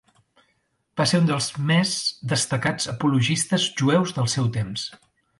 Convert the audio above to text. Va ser un dels més destacats apologistes jueus del seu temps.